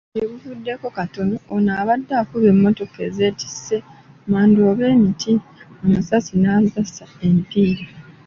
Gye buvuddeko katono, ono abadde akuba emmotoka ezeetisse amanda oba emiti, amasasi n'azaasa emipiira.